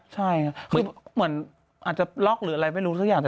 ใช่ค่ะคือเหมือนอาจจะล็อกหรืออะไรไม่รู้สักอย่าง